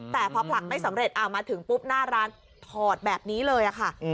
แต่พอผลักไม่สำเร็จมาถึงปุ๊บหน้าร้านถอดแบบนี้เลยค่ะ